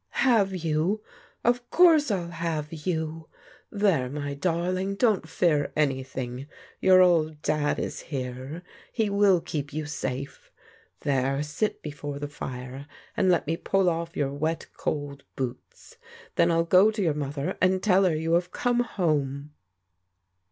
"Have you! Of course I'll have you! There, my darling, don't fear anything, your old Dad is here; he will keep you safe. There, sit before the fire, and let me pull off your wet cold boots; then I'll go to your mother and tell her you have come home."